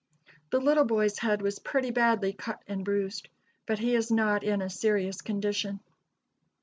The little boy's head was pretty badly cut and bruised, but he is not in a serious condition."